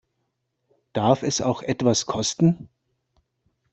Darf es auch etwas kosten?